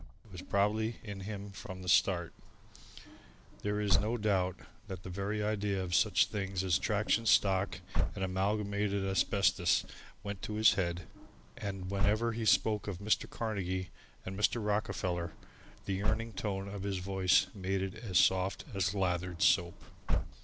It was probably in him from the start. There is no doubt that the very idea of such things as Traction Stock and Amalgamated Asbestos went to his head: and whenever he spoke of Mr. Carnegie and Mr. Rockefeller, the yearning tone of his voice made it as soft as lathered soap.